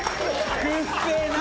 くっせえな！